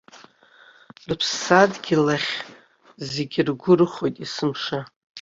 Рыԥсадгьыл ахь зегь ргәы рыхоит есымша.